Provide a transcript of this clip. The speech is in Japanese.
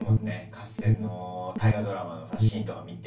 合戦の大河ドラマのさシーンとか見て。